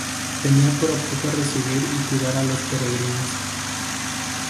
Tenía por objeto recibir y cuidar a los peregrinos.